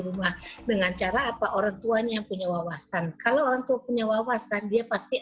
rumah dengan cara apa orangtuanya punya wawasan kalau orang tua punya wawasan dia pasti